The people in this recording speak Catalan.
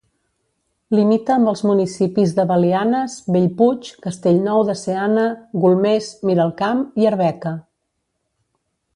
Limita amb els municipis de Belianes, Bellpuig, Castellnou de Seana, Golmés, Miralcamp i Arbeca.